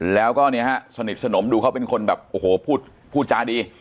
แล้วก็เนี่ยฮะสนิทสนมดูเขาเป็นคนแบบโอ้โหพูดจาดี